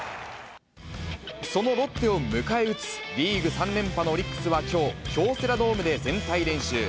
そのロッテを迎え撃つ、リーグ３連覇のオリックスはきょう、京セラドームで全体練習。